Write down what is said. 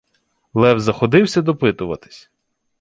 Лев заходився допитуватись: